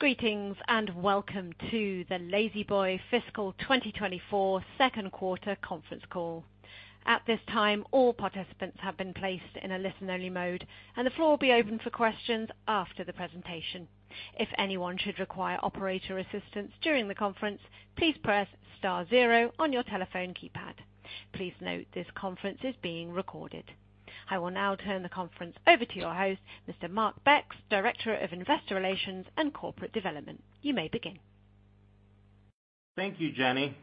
Greetings, and welcome to the La-Z-Boy Fiscal 2024 Second Quarter Conference Call. At this time, all participants have been placed in a listen-only mode, and the floor will be open for questions after the presentation. If anyone should require operator assistance during the conference, please press star zero on your telephone keypad. Please note this conference is being recorded. I will now turn the conference over to your host, Mr. Mark Becks, Director of Investor Relations and Corporate Development. You may begin. Thank you, Jenny.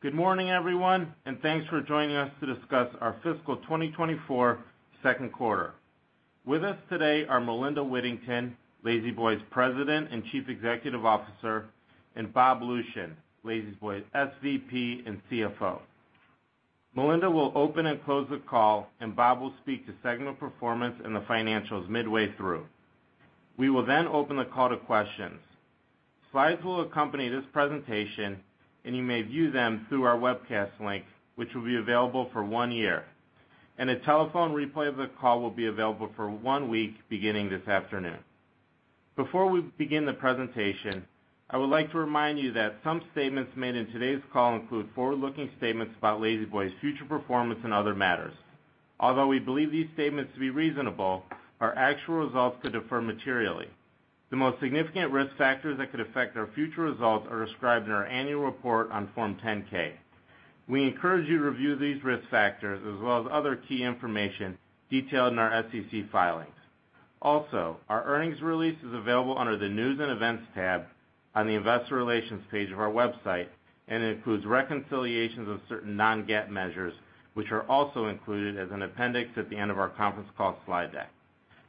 Good morning, everyone, and thanks for joining us to discuss our fiscal 2024 second quarter. With us today are Melinda Whittington, La-Z-Boy's President and Chief Executive Officer, and Bob Lucian, La-Z-Boy's SVP and CFO. Melinda will open and close the call, and Bob will speak to segmental performance and the financials midway through. We will then open the call to questions. Slides will accompany this presentation, and you may view them through our webcast link, which will be available for 1 year, and a telephone replay of the call will be available for 1 week, beginning this afternoon. Before we begin the presentation, I would like to remind you that some statements made in today's call include forward-looking statements about La-Z-Boy's future performance and other matters. Although we believe these statements to be reasonable, our actual results could differ materially. The most significant risk factors that could affect our future results are described in our annual report on Form 10-K. We encourage you to review these risk factors as well as other key information detailed in our SEC filings. Also, our earnings release is available under the News and Events tab on the Investor Relations page of our website, and it includes reconciliations of certain non-GAAP measures, which are also included as an appendix at the end of our conference call slide deck.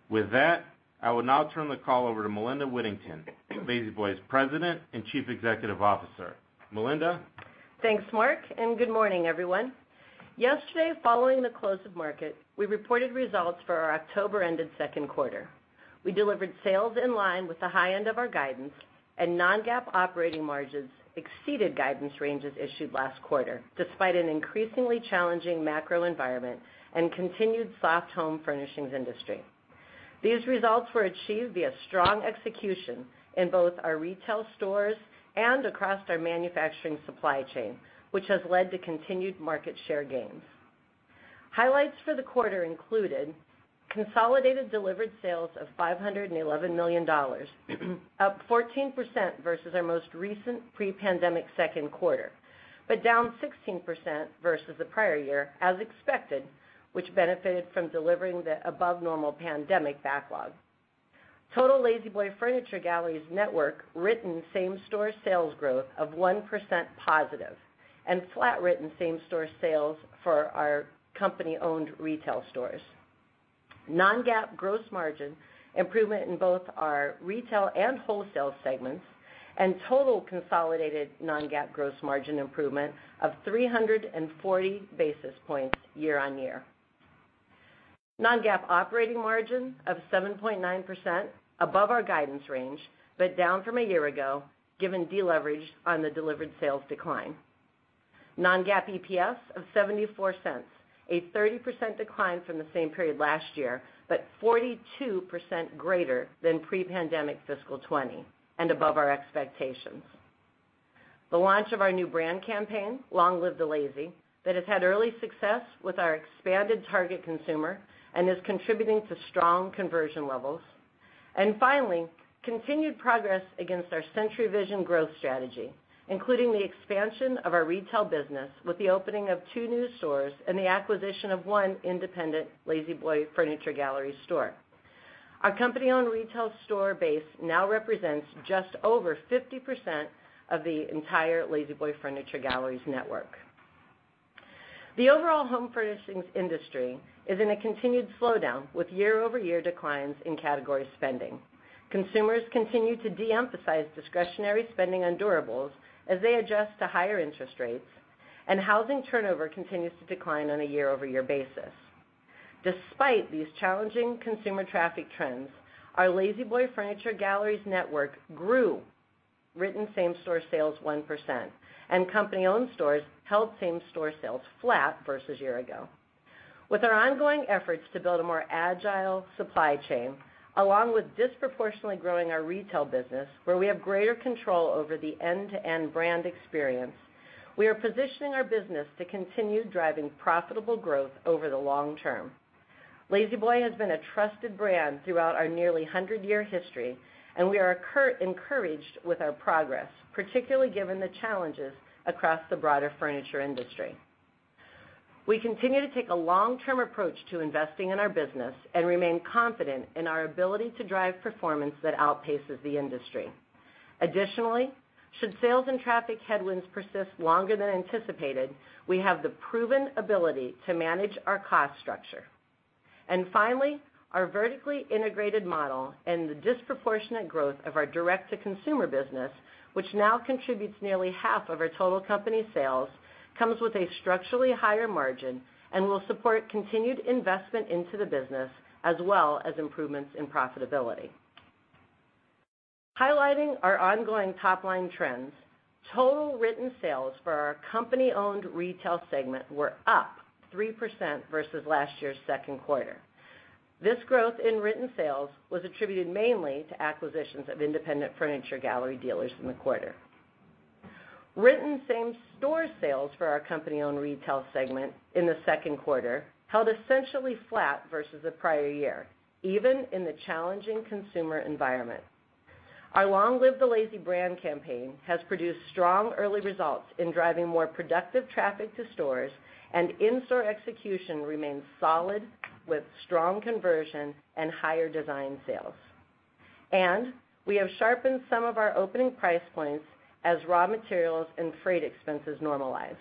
With that, I will now turn the call over to Melinda Whittington, La-Z-Boy's President and Chief Executive Officer. Melinda? Thanks, Mark, and good morning, everyone. Yesterday, following the close of market, we reported results for our October-ended second quarter. We delivered sales in line with the high end of our guidance, and Non-GAAP operating margins exceeded guidance ranges issued last quarter, despite an increasingly challenging macro environment and continued soft home furnishings industry. These results were achieved via strong execution in both our retail stores and across our manufacturing supply chain, which has led to continued market share gains. Highlights for the quarter included consolidated delivered sales of $511 million, up 14% versus our most recent pre-pandemic second quarter, but down 16% versus the prior year, as expected, which benefited from delivering the above normal pandemic backlog. Total La-Z-Boy Furniture Galleries network written same-store sales growth of 1% positive and flat written same-store sales for our company-owned retail stores. Non-GAAP gross margin improvement in both our retail and wholesale segments, and total consolidated non-GAAP gross margin improvement of 340 basis points year-on-year. Non-GAAP operating margin of 7.9% above our guidance range, but down from a year ago, given deleverage on the delivered sales decline. Non-GAAP EPS of $0.74, a 30% decline from the same period last year, but 42% greater than pre-pandemic fiscal 2020 and above our expectations. The launch of our new brand campaign, Long Live the Lazy, that has had early success with our expanded target consumer and is contributing to strong conversion levels. And finally, continued progress against our Century Vision growth strategy, including the expansion of our retail business with the opening of 2 new stores and the acquisition of 1 independent La-Z-Boy Furniture Gallery store. Our company-owned retail store base now represents just over 50% of the entire La-Z-Boy Furniture Galleries network. The overall home furnishings industry is in a continued slowdown, with year-over-year declines in category spending. Consumers continue to de-emphasize discretionary spending on durables as they adjust to higher interest rates, and housing turnover continues to decline on a year-over-year basis. Despite these challenging consumer traffic trends, our La-Z-Boy Furniture Galleries network grew written same-store sales 1%, and company-owned stores held same-store sales flat versus year ago. With our ongoing efforts to build a more agile supply chain, along with disproportionately growing our retail business, where we have greater control over the end-to-end brand experience, we are positioning our business to continue driving profitable growth over the long term. La-Z-Boy has been a trusted brand throughout our nearly 100-year history, and we are encouraged with our progress, particularly given the challenges across the broader furniture industry. We continue to take a long-term approach to investing in our business and remain confident in our ability to drive performance that outpaces the industry. Additionally, should sales and traffic headwinds persist longer than anticipated, we have the proven ability to manage our cost structure. And finally, our vertically integrated model and the disproportionate growth of our direct-to-consumer business, which now contributes nearly half of our total company sales, comes with a structurally higher margin and will support continued investment into the business, as well as improvements in profitability. Highlights-... Our ongoing top-line trends, total written sales for our company-owned retail segment were up 3% versus last year's second quarter. This growth in written sales was attributed mainly to acquisitions of independent Furniture Gallery dealers in the quarter. Written same-store sales for our company-owned retail segment in the second quarter held essentially flat versus the prior year, even in the challenging consumer environment. Our Long Live the Lazy campaign has produced strong early results in driving more productive traffic to stores, and in-store execution remains solid, with strong conversion and higher design sales. We have sharpened some of our opening price points as raw materials and freight expenses normalize.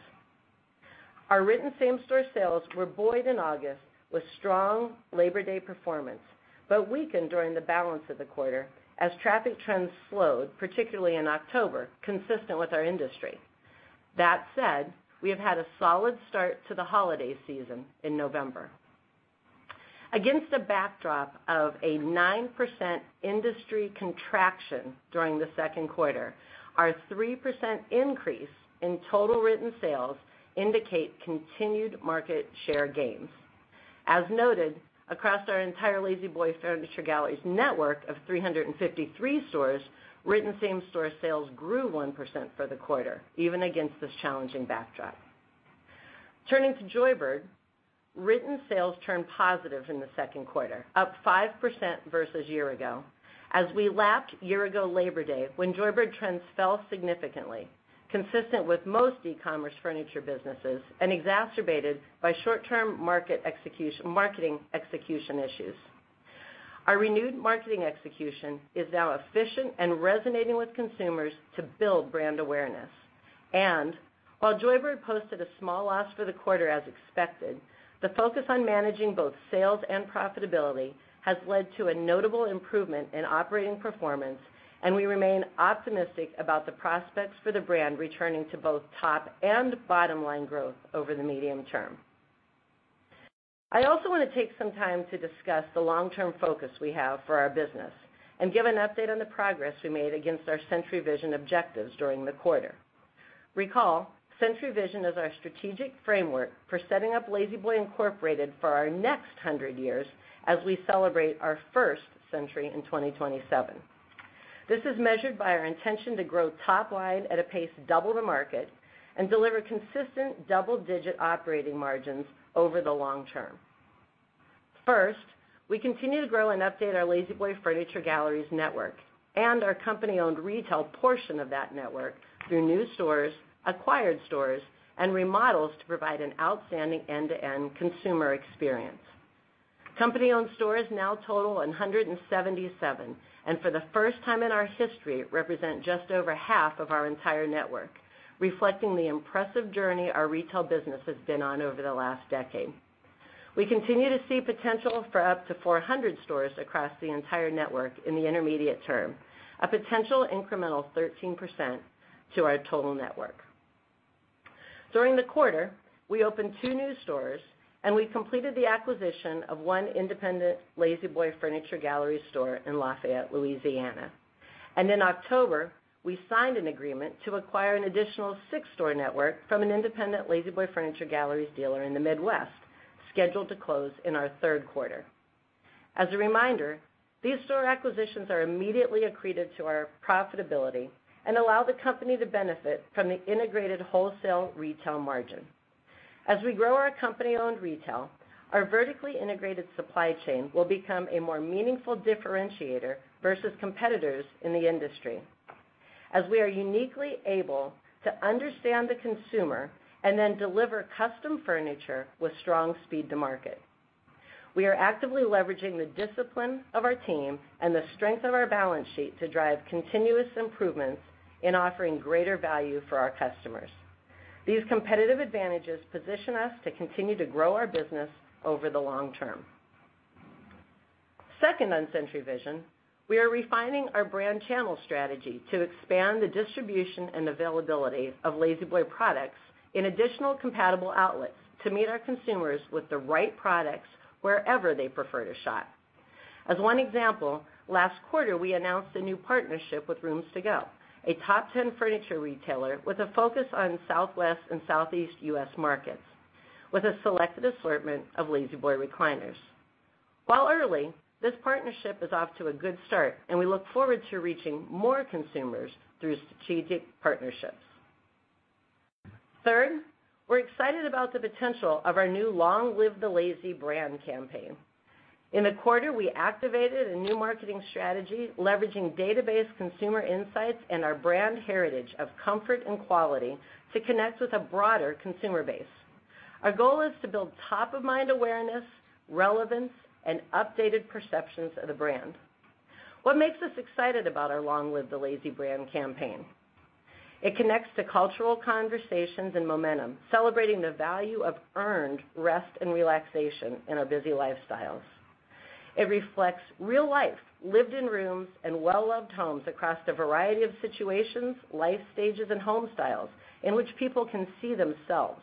Our written same-store sales were buoyed in August with strong Labor Day performance, but weakened during the balance of the quarter as traffic trends slowed, particularly in October, consistent with our industry. That said, we have had a solid start to the holiday season in November. Against a backdrop of a 9% industry contraction during the second quarter, our 3% increase in total written sales indicate continued market share gains. As noted, across our entire La-Z-Boy Furniture Galleries network of 353 stores, written same-store sales grew 1% for the quarter, even against this challenging backdrop. Turning to Joybird, written sales turned positive in the second quarter, up 5% versus year-ago, as we lapped year-ago Labor Day, when Joybird trends fell significantly, consistent with most e-commerce furniture businesses and exacerbated by short-term marketing execution issues. Our renewed marketing execution is now efficient and resonating with consumers to build brand awareness. While Joybird posted a small loss for the quarter as expected, the focus on managing both sales and profitability has led to a notable improvement in operating performance, and we remain optimistic about the prospects for the brand returning to both top and bottom line growth over the medium term. I also want to take some time to discuss the long-term focus we have for our business and give an update on the progress we made against our Century Vision objectives during the quarter. Recall, Century Vision is our strategic framework for setting up La-Z-Boy Incorporated for our next hundred years, as we celebrate our first century in 2027. This is measured by our intention to grow top line at a pace double the market and deliver consistent double-digit operating margins over the long term. First, we continue to grow and update our La-Z-Boy Furniture Galleries network and our company-owned retail portion of that network through new stores, acquired stores, and remodels to provide an outstanding end-to-end consumer experience. Company-owned stores now total 177, and for the first time in our history, represent just over half of our entire network, reflecting the impressive journey our retail business has been on over the last decade. We continue to see potential for up to 400 stores across the entire network in the intermediate term, a potential incremental 13% to our total network. During the quarter, we opened two new stores, and we completed the acquisition of one independent La-Z-Boy Furniture Gallery store in Lafayette, Louisiana. In October, we signed an agreement to acquire an additional six-store network from an independent La-Z-Boy Furniture Galleries dealer in the Midwest, scheduled to close in our third quarter. As a reminder, these store acquisitions are immediately accretive to our profitability and allow the company to benefit from the integrated wholesale retail margin. As we grow our company-owned retail, our vertically integrated supply chain will become a more meaningful differentiator versus competitors in the industry, as we are uniquely able to understand the consumer and then deliver custom furniture with strong speed to market. We are actively leveraging the discipline of our team and the strength of our balance sheet to drive continuous improvements in offering greater value for our customers. These competitive advantages position us to continue to grow our business over the long term. Second, on Century Vision, we are refining our brand channel strategy to expand the distribution and availability of La-Z-Boy products in additional compatible outlets to meet our consumers with the right products wherever they prefer to shop. As one example, last quarter, we announced a new partnership with Rooms To Go, a top 10 furniture retailer with a focus on Southwest and Southeast U.S. markets, with a selected assortment of La-Z-Boy recliners. While early, this partnership is off to a good start, and we look forward to reaching more consumers through strategic partnerships. Third, we're excited about the potential of our new Long Live the Lazy campaign. In the quarter, we activated a new marketing strategy, leveraging database, consumer insights, and our brand heritage of comfort and quality to connect with a broader consumer base. Our goal is to build top-of-mind awareness, relevance, and updated perceptions of the brand. What makes us excited about our Long Live the Lazy campaign? It connects to cultural conversations and momentum, celebrating the value of earned rest and relaxation in our busy lifestyles. It reflects real life, lived-in rooms, and well-loved homes across a variety of situations, life stages, and home styles in which people can see themselves....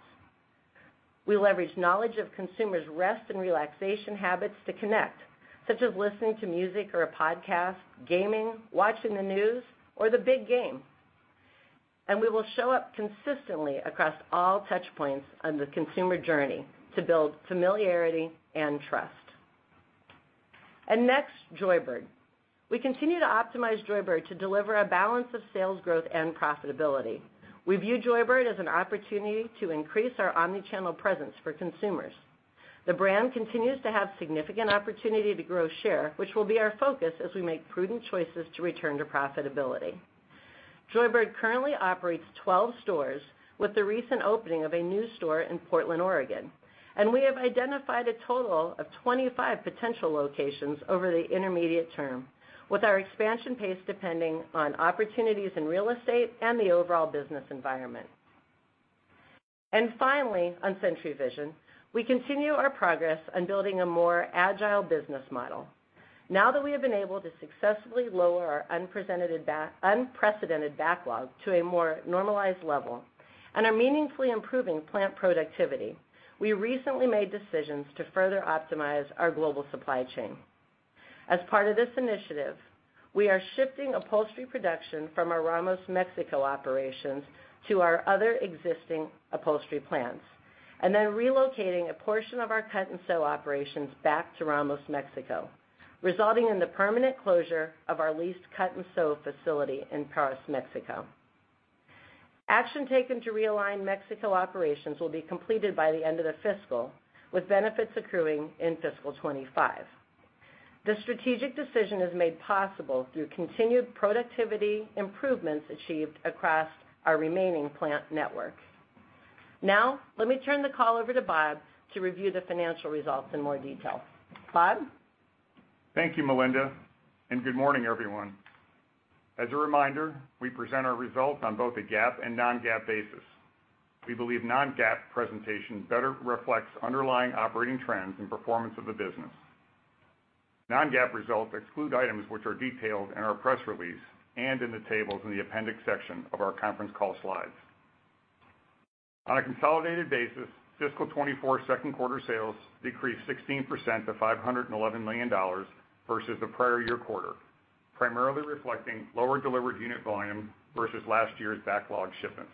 We leverage knowledge of consumers' rest and relaxation habits to connect, such as listening to music or a podcast, gaming, watching the news, or the big game. We will show up consistently across all touch points on the consumer journey to build familiarity and trust. Next, Joybird. We continue to optimize Joybird to deliver a balance of sales growth and profitability. We view Joybird as an opportunity to increase our omni-channel presence for consumers. The brand continues to have significant opportunity to grow share, which will be our focus as we make prudent choices to return to profitability. Joybird currently operates 12 stores, with the recent opening of a new store in Portland, Oregon, and we have identified a total of 25 potential locations over the intermediate term, with our expansion pace depending on opportunities in real estate and the overall business environment. And finally, on Century Vision, we continue our progress on building a more agile business model. Now that we have been able to successfully lower our unprecedented backlog to a more normalized level and are meaningfully improving plant productivity, we recently made decisions to further optimize our global supply chain. As part of this initiative, we are shifting upholstery production from our Ramos, Mexico, operations to our other existing upholstery plants and then relocating a portion of our cut-and-sew operations back to Ramos, Mexico, resulting in the permanent closure of our leased cut-and-sew facility in Parras, Mexico. Action taken to realign Mexico operations will be completed by the end of the fiscal, with benefits accruing in fiscal 2025. This strategic decision is made possible through continued productivity improvements achieved across our remaining plant network. Now, let me turn the call over to Bob to review the financial results in more detail. Bob? Thank you, Melinda, and good morning, everyone. As a reminder, we present our results on both a GAAP and non-GAAP basis. We believe non-GAAP presentation better reflects underlying operating trends and performance of the business. Non-GAAP results exclude items which are detailed in our press release and in the tables in the appendix section of our conference call slides. On a consolidated basis, fiscal 2024 second quarter sales decreased 16% to $511 million versus the prior year quarter, primarily reflecting lower delivered unit volume versus last year's backlog shipments.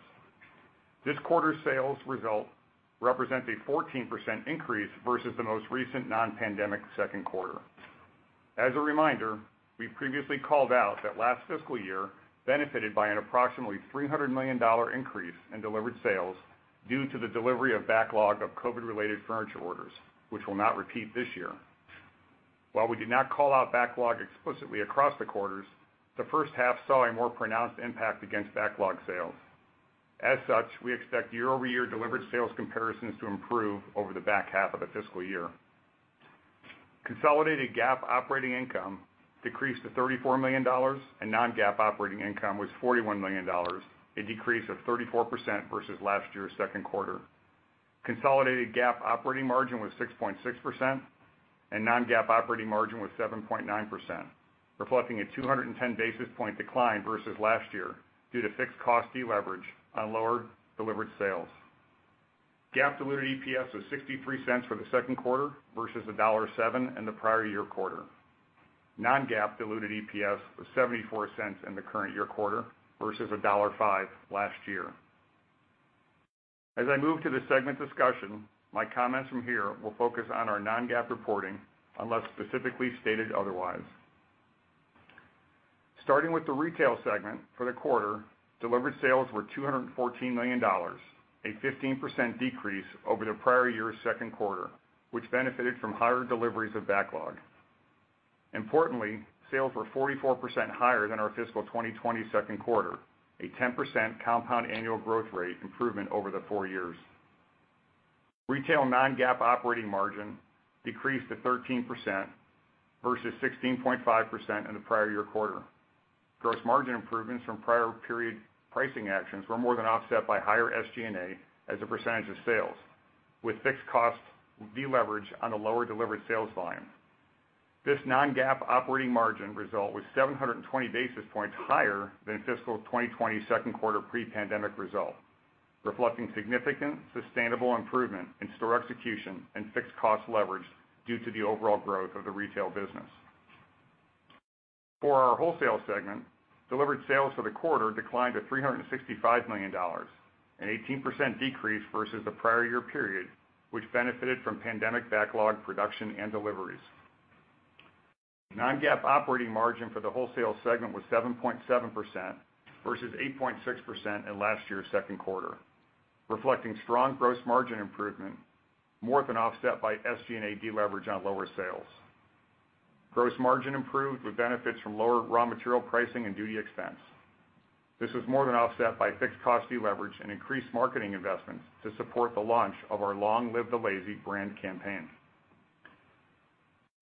This quarter's sales result represent a 14% increase versus the most recent non-pandemic second quarter. As a reminder, we previously called out that last fiscal year benefited by an approximately $300 million dollar increase in delivered sales due to the delivery of backlog of COVID-related furniture orders, which will not repeat this year. While we did not call out backlog explicitly across the quarters, the first half saw a more pronounced impact against backlog sales. As such, we expect year-over-year delivered sales comparisons to improve over the back half of the fiscal year. Consolidated GAAP operating income decreased to $34 million, and non-GAAP operating income was $41 million, a decrease of 34% versus last year's second quarter. Consolidated GAAP operating margin was 6.6%, and non-GAAP operating margin was 7.9%, reflecting a 210 basis point decline versus last year due to fixed cost deleverage on lower delivered sales. GAAP diluted EPS was $0.63 for the second quarter versus $1.07 in the prior year quarter. Non-GAAP diluted EPS was $0.74 in the current year quarter versus $1.05 last year. As I move to the segment discussion, my comments from here will focus on our non-GAAP reporting, unless specifically stated otherwise. Starting with the retail segment, for the quarter, delivered sales were $214 million, a 15% decrease over the prior year's second quarter, which benefited from higher deliveries of backlog. Importantly, sales were 44% higher than our fiscal 2022 second quarter, a 10% compound annual growth rate improvement over the four years. Retail non-GAAP operating margin decreased to 13% versus 16.5% in the prior year quarter. Gross margin improvements from prior period pricing actions were more than offset by higher SG&A as a percentage of sales, with fixed costs deleveraged on a lower delivered sales volume. This non-GAAP operating margin result was 720 basis points higher than fiscal 2022 second quarter pre-pandemic result, reflecting significant, sustainable improvement in store execution and fixed cost leverage due to the overall growth of the retail business. For our wholesale segment, delivered sales for the quarter declined to $365 million, an 18% decrease versus the prior year period, which benefited from pandemic backlog, production, and deliveries. Non-GAAP operating margin for the wholesale segment was 7.7% versus 8.6% in last year's second quarter, reflecting strong gross margin improvement, more than offset by SG&A deleverage on lower sales. Gross margin improved with benefits from lower raw material pricing and duty expense. This was more than offset by fixed cost deleverage and increased marketing investments to support the launch of our Long Live the Lazy brand campaign.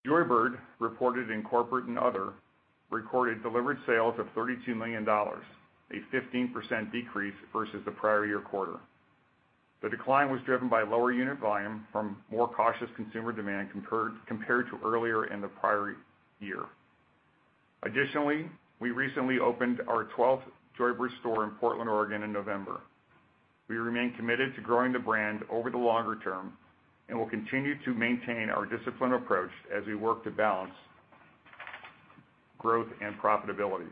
Joybird, reported in corporate and other, recorded delivered sales of $32 million, a 15% decrease versus the prior year quarter. The decline was driven by lower unit volume from more cautious consumer demand compared to earlier in the prior year. Additionally, we recently opened our 12th Joybird store in Portland, Oregon, in November. We remain committed to growing the brand over the longer term, and we'll continue to maintain our disciplined approach as we work to balance growth and profitability.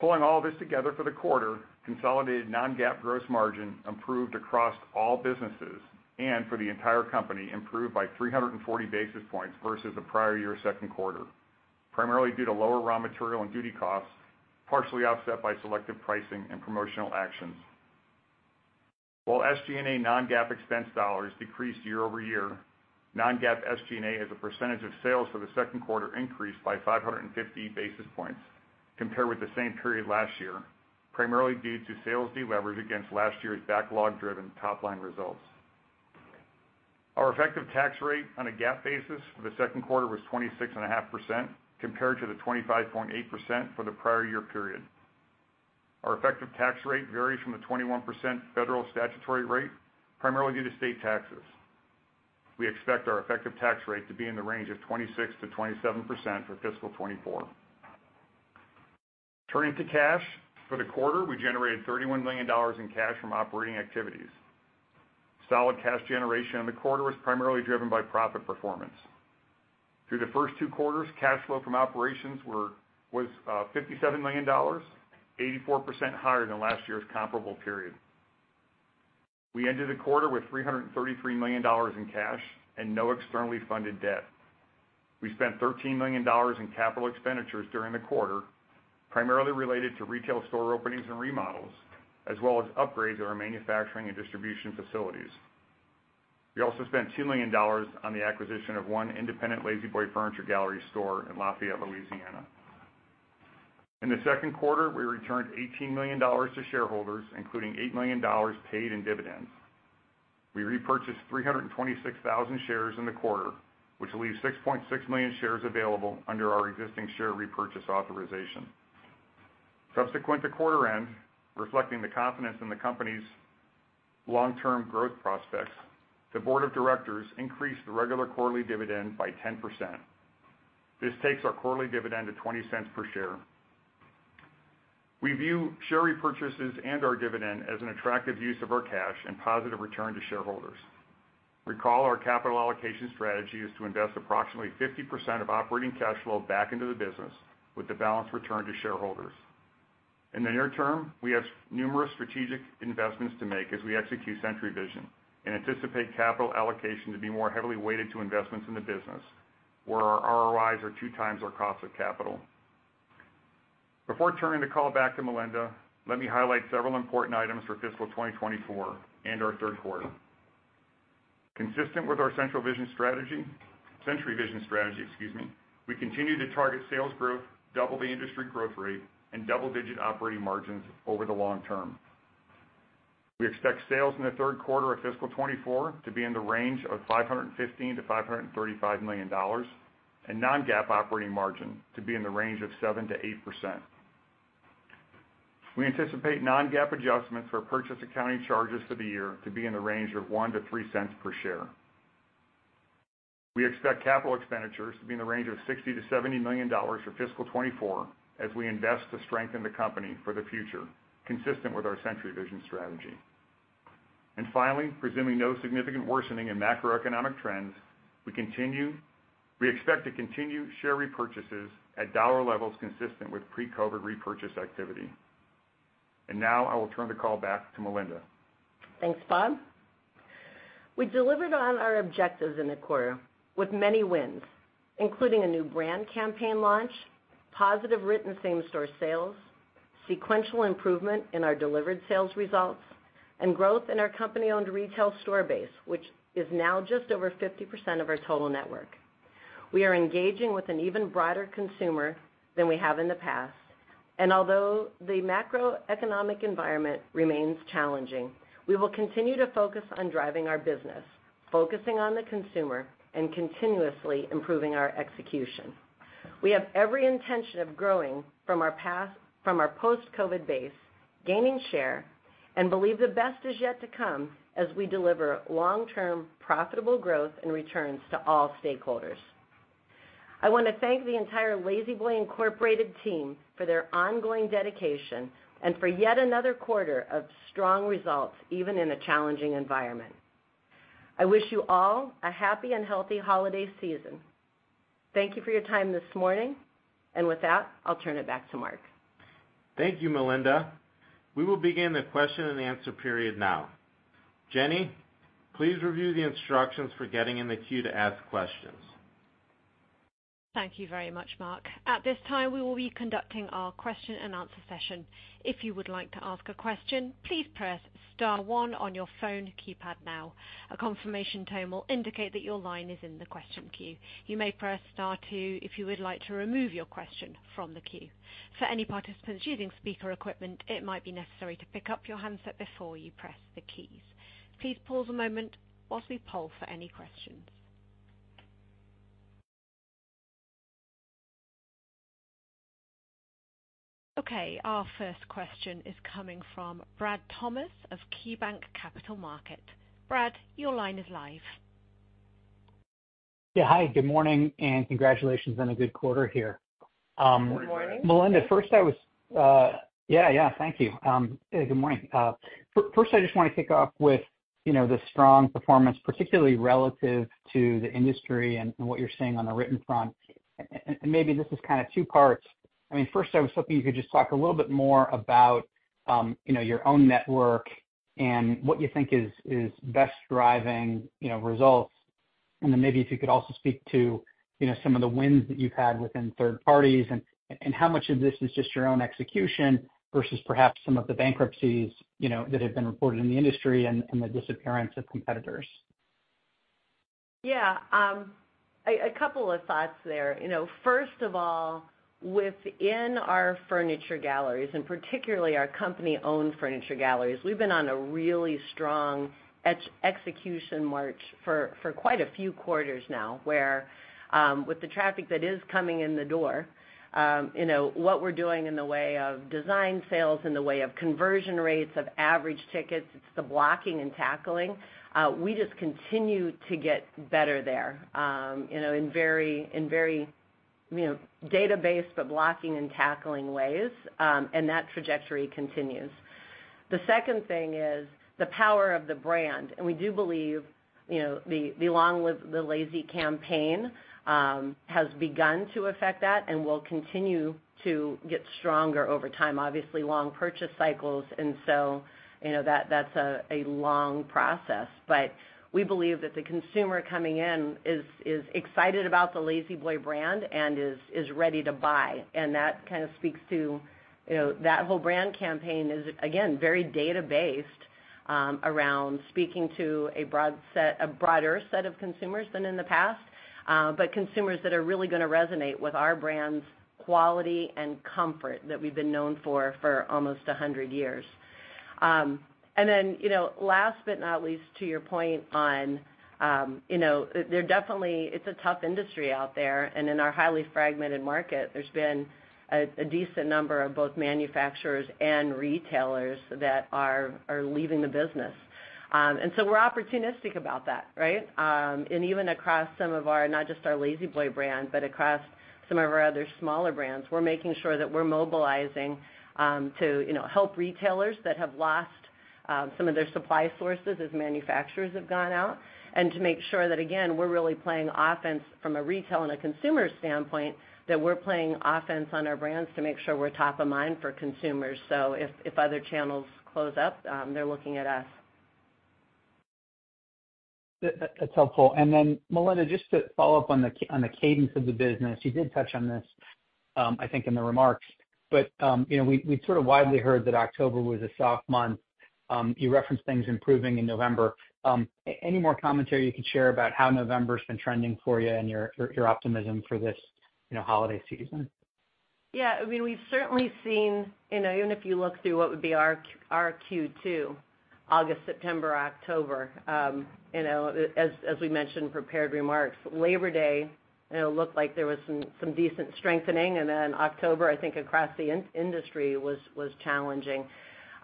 Pulling all this together for the quarter, consolidated non-GAAP gross margin improved across all businesses, and for the entire company, improved by 340 basis points versus the prior year second quarter, primarily due to lower raw material and duty costs, partially offset by selective pricing and promotional actions. While SG&A non-GAAP expense dollars decreased year-over-year, non-GAAP SG&A as a percentage of sales for the second quarter increased by 550 basis points compared with the same period last year, primarily due to sales deleverage against last year's backlog-driven top-line results. Our effective tax rate on a GAAP basis for the second quarter was 26.5%, compared to the 25.8% for the prior year period. Our effective tax rate varies from the 21% federal statutory rate, primarily due to state taxes. We expect our effective tax rate to be in the range of 26%-27% for fiscal 2024. Turning to cash. For the quarter, we generated $31 million in cash from operating activities. Solid cash generation in the quarter was primarily driven by profit performance. Through the first two quarters, cash flow from operations was $57 million, 84% higher than last year's comparable period. We ended the quarter with $333 million in cash and no externally funded debt. We spent $13 million in capital expenditures during the quarter, primarily related to retail store openings and remodels, as well as upgrades to our manufacturing and distribution facilities. We also spent $2 million on the acquisition of one independent La-Z-Boy Furniture Gallery store in Lafayette, Louisiana. In the second quarter, we returned $18 million to shareholders, including $8 million paid in dividends. We repurchased 326,000 shares in the quarter, which leaves 6.6 million shares available under our existing share repurchase authorization. Subsequent to quarter end, reflecting the confidence in the company's long-term growth prospects, the board of directors increased the regular quarterly dividend by 10%. This takes our quarterly dividend to $0.20 per share. We view share repurchases and our dividend as an attractive use of our cash and positive return to shareholders. Recall, our capital allocation strategy is to invest approximately 50% of operating cash flow back into the business, with the balance returned to shareholders. In the near term, we have numerous strategic investments to make as we execute Century Vision and anticipate capital allocation to be more heavily weighted to investments in the business, where our ROIs are 2x our cost of capital. Before turning the call back to Melinda, let me highlight several important items for fiscal 2024 and our third quarter. Consistent with our Central Vision strategy, Century Vision strategy, excuse me, we continue to target sales growth, double the industry growth rate, and double-digit operating margins over the long term. We expect sales in the third quarter of fiscal 2024 to be in the range of $515 million-$535 million, and non-GAAP operating margin to be in the range of 7%-8%. We anticipate non-GAAP adjustments for purchase accounting charges for the year to be in the range of $0.01-$0.03 per share. We expect capital expenditures to be in the range of $60 million-$70 million for fiscal 2024 as we invest to strengthen the company for the future, consistent with our Century Vision strategy. And finally, presuming no significant worsening in macroeconomic trends, we expect to continue share repurchases at dollar levels consistent with pre-COVID repurchase activity. And now I will turn the call back to Melinda. Thanks, Bob. We delivered on our objectives in the quarter with many wins, including a new brand campaign launch, positive written same-store sales, sequential improvement in our delivered sales results, and growth in our company-owned retail store base, which is now just over 50% of our total network. We are engaging with an even broader consumer than we have in the past, and although the macroeconomic environment remains challenging, we will continue to focus on driving our business, focusing on the consumer, and continuously improving our execution. We have every intention of growing from our post-COVID base, gaining share, and believe the best is yet to come as we deliver long-term, profitable growth and returns to all stakeholders. I want to thank the entire La-Z-Boy Incorporated team for their ongoing dedication and for yet another quarter of strong results, even in a challenging environment. I wish you all a happy and healthy holiday season. Thank you for your time this morning, and with that, I'll turn it back to Mark. Thank you, Melinda. We will begin the question and answer period now. Jenny, please review the instructions for getting in the queue to ask questions. Thank you very much, Mark. At this time, we will be conducting our question and answer session. If you would like to ask a question, please press star one on your phone keypad now. A confirmation tone will indicate that your line is in the question queue. You may press star two if you would like to remove your question from the queue. For any participants using speaker equipment, it might be necessary to pick up your handset before you press the keys. Please pause a moment while we poll for any questions.... Okay, our first question is coming from Brad Thomas of KeyBanc Capital Markets. Brad, your line is live. Yeah. Hi, good morning, and congratulations on a good quarter here. Good morning. Melinda, yeah, yeah, thank you. Good morning. First, I just want to kick off with, you know, the strong performance, particularly relative to the industry and what you're seeing on the retail front. And maybe this is kind of two parts. I mean, first, I was hoping you could just talk a little bit more about, you know, your own network and what you think is best driving, you know, results. And then maybe if you could also speak to, you know, some of the wins that you've had within third parties and how much of this is just your own execution versus perhaps some of the bankruptcies, you know, that have been reported in the industry and the disappearance of competitors. Yeah, a couple of thoughts there. You know, first of all, within our Furniture Galleries, and particularly our company-owned Furniture Galleries, we've been on a really strong execution march for quite a few quarters now, where, with the traffic that is coming in the door, you know, what we're doing in the way of design sales, in the way of conversion rates, of average tickets, it's the blocking and tackling. We just continue to get better there, you know, in very data-based, but blocking and tackling ways, and that trajectory continues. The second thing is the power of the brand, and we do believe, you know, the Long Live the Lazy campaign has begun to affect that and will continue to get stronger over time. Obviously, long purchase cycles, and so, you know, that's a long process. But we believe that the consumer coming in is excited about the La-Z-Boy brand and is ready to buy. That kind of speaks to, you know, that whole brand campaign is, again, very data-based, around speaking to a broader set of consumers than in the past, but consumers that are really gonna resonate with our brand's quality and comfort that we've been known for almost 100 years. Then, you know, last but not least, to your point on, you know, there definitely, it's a tough industry out there, and in our highly fragmented market, there's been a decent number of both manufacturers and retailers that are leaving the business. So we're opportunistic about that, right? And even across some of our, not just our La-Z-Boy brand, but across some of our other smaller brands, we're making sure that we're mobilizing, to, you know, help retailers that have lost, some of their supply sources as manufacturers have gone out. And to make sure that, again, we're really playing offense from a retail and a consumer standpoint, that we're playing offense on our brands to make sure we're top of mind for consumers. So if other channels close up, they're looking at us. That, that's helpful. Then, Melinda, just to follow up on the cadence of the business, you did touch on this, I think, in the remarks, but, you know, we've sort of widely heard that October was a soft month. You referenced things improving in November. Any more commentary you could share about how November's been trending for you and your optimism for this, you know, holiday season? Yeah, I mean, we've certainly seen, you know, even if you look through what would be our Q2, August, September, October, you know, as we mentioned in prepared remarks, Labor Day, you know, looked like there was some decent strengthening, and then October, I think, across the industry was challenging.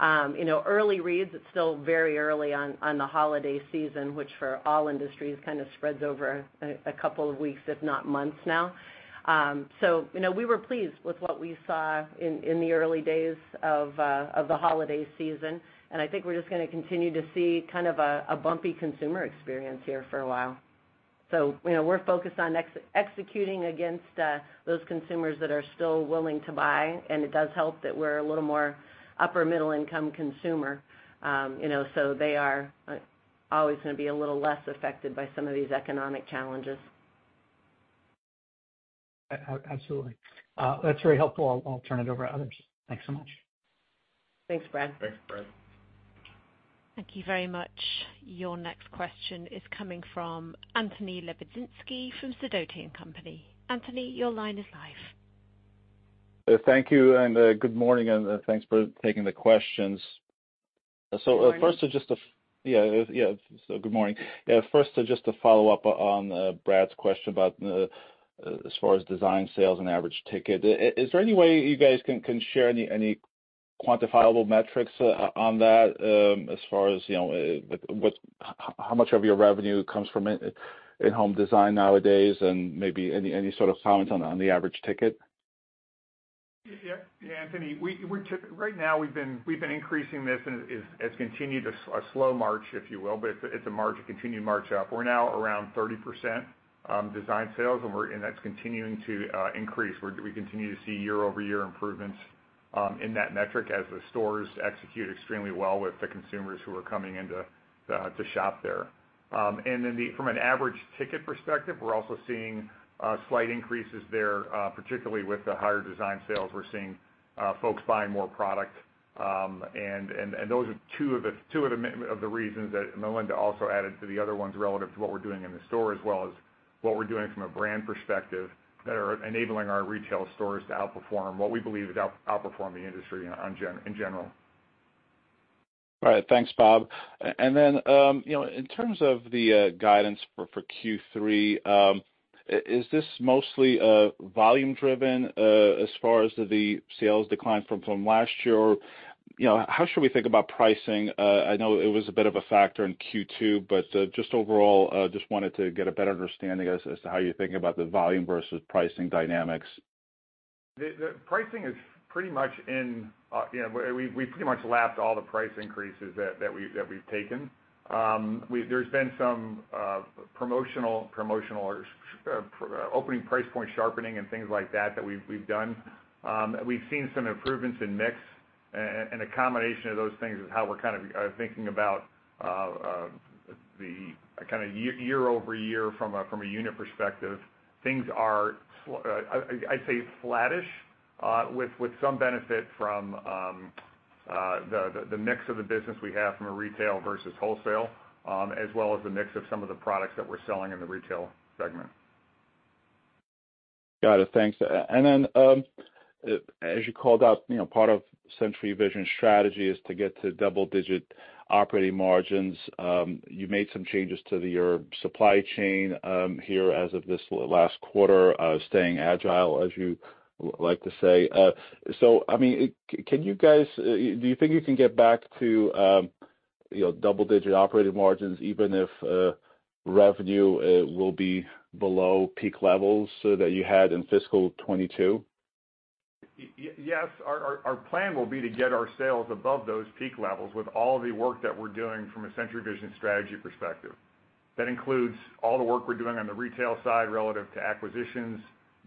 You know, early reads, it's still very early on the holiday season, which for all industries kind of spreads over a couple of weeks, if not months now. So, you know, we were pleased with what we saw in the early days of the holiday season, and I think we're just gonna continue to see kind of a bumpy consumer experience here for a while. So, you know, we're focused on executing against those consumers that are still willing to buy, and it does help that we're a little more upper middle-income consumer. You know, so they are always gonna be a little less affected by some of these economic challenges. Absolutely. That's very helpful. I'll, I'll turn it over to others. Thanks so much. Thanks, Brad. Thanks, Brad. Thank you very much. Your next question is coming from Anthony Lebiedzinski from Sidoti & Company. Anthony, your line is live. Thank you, and good morning, and thanks for taking the questions. Good morning. Good morning. First, just to follow up on Brad's question about as far as design sales and average ticket, is there any way you guys can share any quantifiable metrics on that, as far as you know with how much of your revenue comes from in-home design nowadays, and maybe any sort of comments on the average ticket? Yeah, yeah, Anthony, right now we've been increasing this, and it's continued a slow march, if you will, but it's a march, a continued march up. We're now around 30% design sales, and that's continuing to increase. We continue to see year-over-year improvements in that metric as the stores execute extremely well with the consumers who are coming in to shop there. And then from an average ticket perspective, we're also seeing slight increases there, particularly with the higher design sales. We're seeing folks buying more product, and those are two of the reasons that Melinda also added to the other ones relative to what we're doing in the store, as well as what we're doing from a brand perspective, that are enabling our retail stores to outperform what we believe is the industry in general. All right. Thanks, Bob. And then, you know, in terms of the guidance for Q3, is this mostly volume driven as far as the sales decline from last year? You know, how should we think about pricing? I know it was a bit of a factor in Q2, but just overall, just wanted to get a better understanding as to how you're thinking about the volume versus pricing dynamics. The pricing is pretty much in, you know, we pretty much lapped all the price increases that we've taken. There's been some promotional or opening price point sharpening and things like that that we've done. We've seen some improvements in mix, and a combination of those things is how we're kind of thinking about the kind of year-over-year from a unit perspective. Things are, I'd say flattish, with some benefit from the mix of the business we have from a retail versus wholesale, as well as the mix of some of the products that we're selling in the retail segment. Got it. Thanks. And then, as you called out, you know, part of Century Vision's strategy is to get to double-digit operating margins. You made some changes to your supply chain, here as of this last quarter, staying agile, as you like to say. So I mean, can you guys... Do you think you can get back to, you know, double-digit operating margins, even if revenue will be below peak levels so that you had in fiscal 2022? Yes. Our plan will be to get our sales above those peak levels with all the work that we're doing from a Century Vision strategy perspective. That includes all the work we're doing on the retail side relative to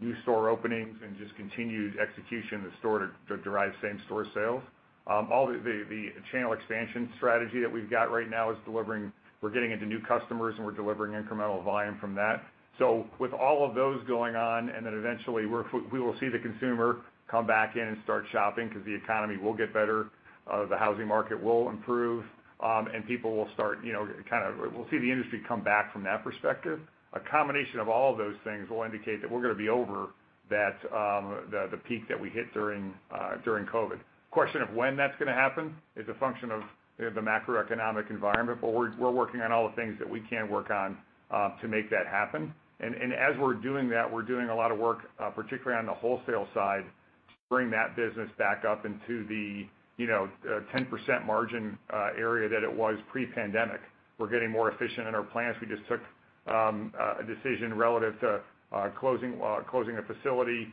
acquisitions, new store openings, and just continued execution in the store to derive same store sales. All the channel expansion strategy that we've got right now is delivering. We're getting into new customers, and we're delivering incremental volume from that. So with all of those going on, and then eventually, we will see the consumer come back in and start shopping because the economy will get better, the housing market will improve, and people will start, you know, kind of, we'll see the industry come back from that perspective. A combination of all of those things will indicate that we're gonna be over that peak that we hit during COVID. Question of when that's gonna happen is a function of, you know, the macroeconomic environment, but we're working on all the things that we can work on to make that happen. As we're doing that, we're doing a lot of work, particularly on the wholesale side, to bring that business back up into the, you know, 10% margin area that it was pre-pandemic. We're getting more efficient in our plants. We just took a decision relative to closing a facility.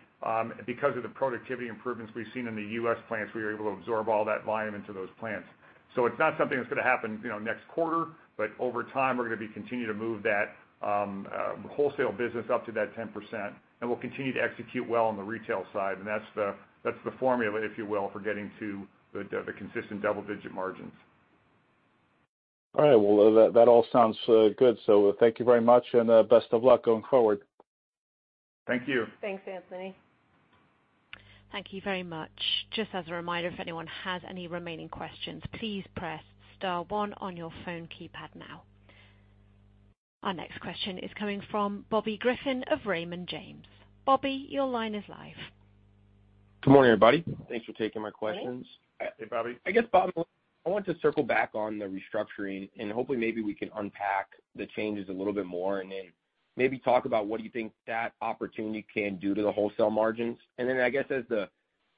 Because of the productivity improvements we've seen in the U.S. plants, we were able to absorb all that volume into those plants. So it's not something that's gonna happen, you know, next quarter, but over time, we're gonna be continuing to move that wholesale business up to that 10%, and we'll continue to execute well on the retail side. And that's the formula, if you will, for getting to the consistent double-digit margins. All right. Well, that all sounds good. So thank you very much, and best of luck going forward. Thank you. Thanks, Anthony. Thank you very much. Just as a reminder, if anyone has any remaining questions, please press star one on your phone keypad now. Our next question is coming from Bobby Griffin of Raymond James. Bobby, your line is live. Good morning, everybody. Thanks for taking my questions. Hey, Bobby. I guess, Bob, I want to circle back on the restructuring, and hopefully, maybe we can unpack the changes a little bit more and then maybe talk about what you think that opportunity can do to the wholesale margins. And then I guess as the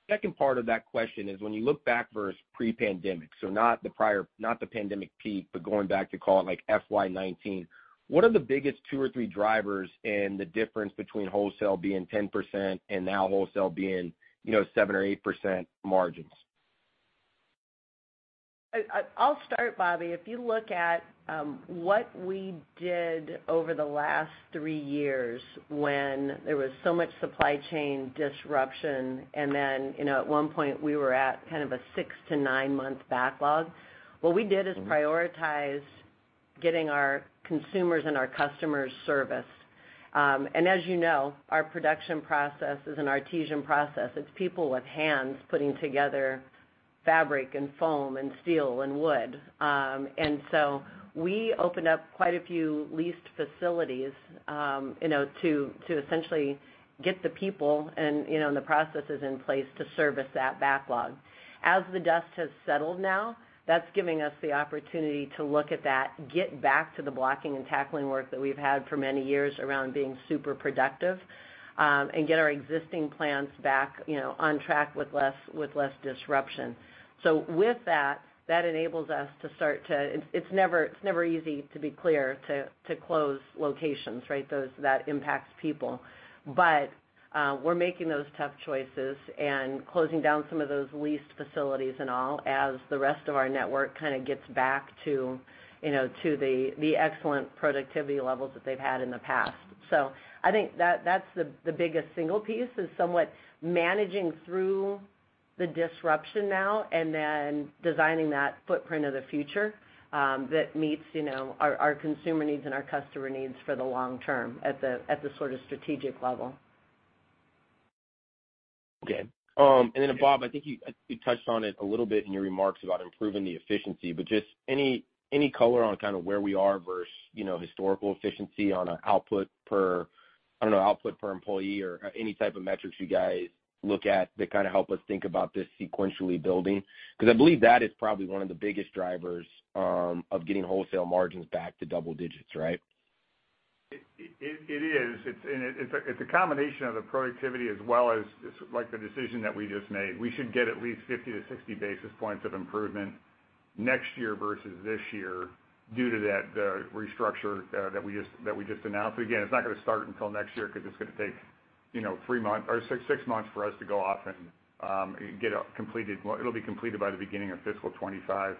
second part of that question is, when you look back versus pre-pandemic, so not the prior, not the pandemic peak, but going back to call it like FY 2019, what are the biggest two or three drivers in the difference between wholesale being 10% and now wholesale being, you know, 7%-8% margins? I'll start, Bobby. If you look at what we did over the last three years when there was so much supply chain disruption, and then, you know, at one point, we were at kind of a 6-9-month backlog. What we did is prioritize getting our consumers and our customers serviced. And as you know, our production process is an artisanal process. It's people with hands putting together fabric and foam and steel and wood. And so we opened up quite a few leased facilities, you know, to essentially get the people and the processes in place to service that backlog. As the dust has settled now, that's giving us the opportunity to look at that, get back to the blocking and tackling work that we've had for many years around being super productive, and get our existing plans back, you know, on track with less, with less disruption. So with that, that enables us to start to... It's never easy to be clear, to close locations, right? Those that impact people. But, we're making those tough choices and closing down some of those leased facilities and all, as the rest of our network kind of gets back to, you know, to the excellent productivity levels that they've had in the past. I think that that's the biggest single piece is somewhat managing through the disruption now and then designing that footprint of the future, that meets, you know, our consumer needs and our customer needs for the long term at the sort of strategic level. Okay. And then, Bob, I think you touched on it a little bit in your remarks about improving the efficiency, but just any color on kind of where we are versus, you know, historical efficiency on an output per, I don't know, output per employee or any type of metrics you guys look at that kind of help us think about this sequentially building? Because I believe that is probably one of the biggest drivers of getting wholesale margins back to double digits, right?... It is. It's a combination of the productivity as well as, like, the decision that we just made. We should get at least 50-60 basis points of improvement next year versus this year due to that restructure that we just announced. Again, it's not gonna start until next year because it's gonna take, you know, 3 months or 6 months for us to go off and get it completed. Well, it'll be completed by the beginning of fiscal 2025.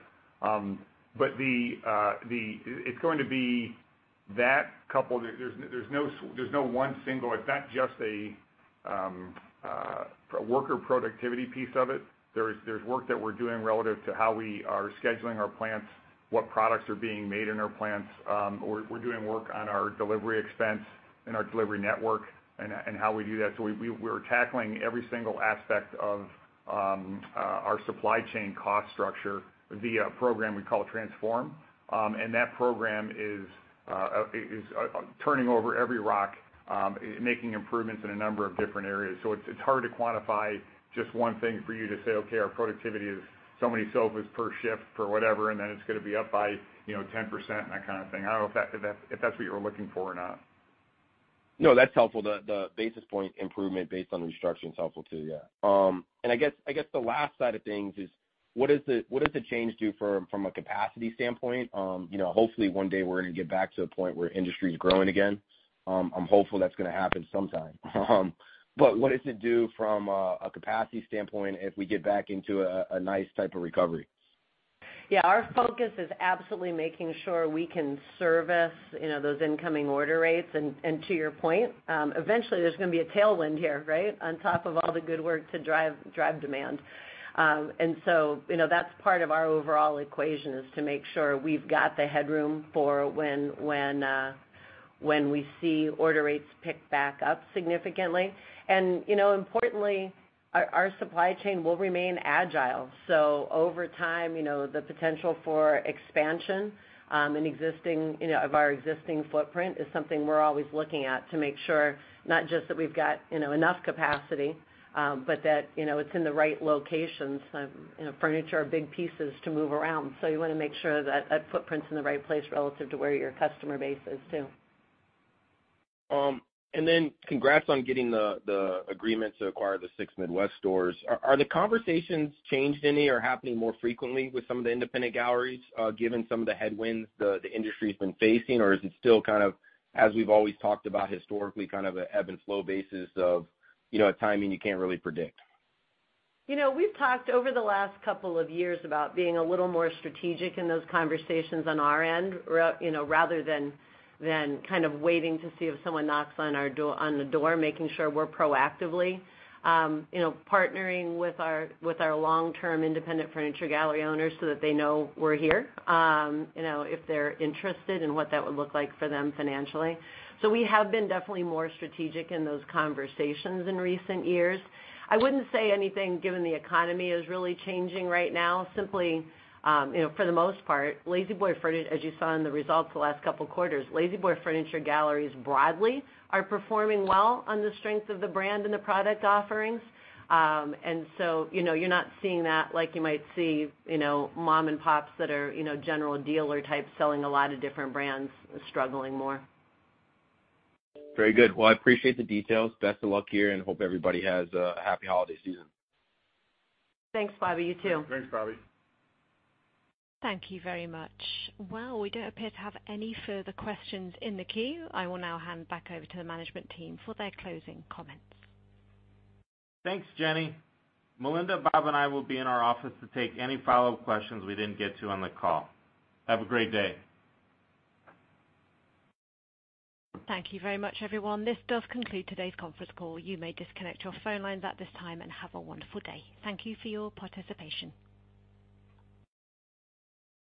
But it's going to be that coupled. There's no one single—it's not just a worker productivity piece of it. There's work that we're doing relative to how we are scheduling our plants, what products are being made in our plants. We're doing work on our delivery expense and our delivery network and how we do that. So we're tackling every single aspect of our supply chain cost structure via a program we call Transform. And that program is turning over every rock, making improvements in a number of different areas. So it's hard to quantify just one thing for you to say, "Okay, our productivity is so many sofas per shift for whatever, and then it's gonna be up by, you know, 10%," and that kind of thing. I don't know if that's what you were looking for or not. No, that's helpful. The basis point improvement based on restructure is helpful, too, yeah. And I guess the last side of things is, what does the change do from a capacity standpoint? You know, hopefully, one day we're gonna get back to the point where industry is growing again. I'm hopeful that's gonna happen sometime. But what does it do from a capacity standpoint if we get back into a nice type of recovery? Yeah, our focus is absolutely making sure we can service, you know, those incoming order rates. And to your point, eventually, there's gonna be a tailwind here, right? On top of all the good work to drive, drive demand. And so, you know, that's part of our overall equation, is to make sure we've got the headroom for when we see order rates pick back up significantly. And, you know, importantly, our supply chain will remain agile. So over time, you know, the potential for expansion in existing of our existing footprint is something we're always looking at to make sure not just that we've got, you know, enough capacity, but that, you know, it's in the right locations. You know, furniture are big pieces to move around, so you wanna make sure that that footprint's in the right place relative to where your customer base is, too. And then congrats on getting the agreement to acquire the six Midwest stores. Are the conversations changed any or happening more frequently with some of the independent galleries, given some of the headwinds the industry's been facing? Or is it still kind of, as we've always talked about historically, kind of an ebb and flow basis of, you know, a timing you can't really predict? You know, we've talked over the last couple of years about being a little more strategic in those conversations on our end, you know, rather than kind of waiting to see if someone knocks on our door, making sure we're proactively, you know, partnering with our long-term independent Furniture Gallery owners so that they know we're here, you know, if they're interested in what that would look like for them financially. So we have been definitely more strategic in those conversations in recent years. I wouldn't say anything, given the economy, is really changing right now. Simply, you know, for the most part, La-Z-Boy Furniture Galleries, as you saw in the results the last couple quarters, La-Z-Boy Furniture Galleries broadly are performing well on the strength of the brand and the product offerings. And so, you know, you're not seeing that like you might see, you know, mom and pops that are, you know, general dealer type, selling a lot of different brands, struggling more. Very good. Well, I appreciate the details. Best of luck to you, and hope everybody has a happy holiday season. Thanks, Bobby. You, too. Thanks, Bobby. Thank you very much. Well, we don't appear to have any further questions in the queue. I will now hand back over to the management team for their closing comments. Thanks, Jenny. Melinda, Bob, and I will be in our office to take any follow-up questions we didn't get to on the call. Have a great day. Thank you very much, everyone. This does conclude today's conference call. You may disconnect your phone lines at this time and have a wonderful day. Thank you for your participation.